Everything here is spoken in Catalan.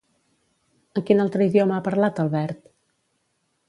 En quin altre idioma ha parlat Albert?